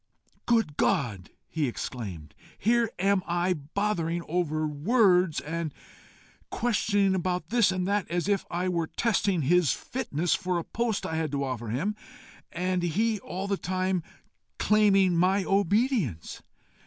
"Good God!" he exclaimed, "here am I bothering over words, and questioning about this and that, as if I were testing his fitness for a post I had to offer him, and he all the time claiming my obedience!